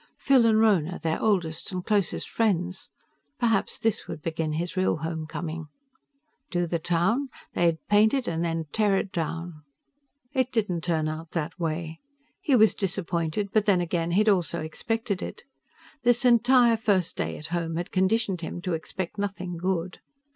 Phil and Rhona, their oldest and closest friends. Perhaps this would begin his real homecoming. Do the town? They'd paint it and then tear it down! It didn't turn out that way. He was disappointed; but then again, he'd also expected it. This entire first day at home had conditioned him to expect nothing good.